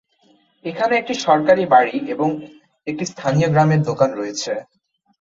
এখানে একটি সরকারি বাড়ি এবং একটি স্থানীয় গ্রামের দোকান রয়েছে।